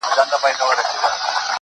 ګـرځى راګـرځى وينم ګورم په زرګونو خلق